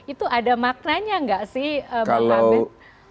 itu ada maknanya nggak sih bang abed